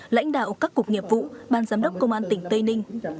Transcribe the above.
lãnh đạo các cục nghiệp vụ ban giám đốc công an tỉnh tây ninh